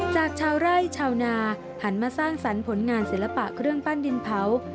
จากชาวไร่ชาวนาหันมาสร้างสรรค์ผลงานศิลปะเครื่องปั้นดินเผา